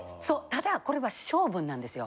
ただこれは性分なんですよ。